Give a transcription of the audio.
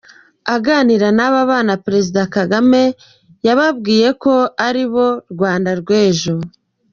Aganira n’aba bana, Perezida Kagame yababwiye ko aribo Rwanda rw’ejo.